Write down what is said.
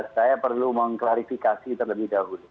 saya perlu mengklarifikasi terlebih dahulu